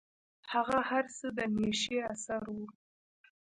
هغه هر څه د نيشې اثر و.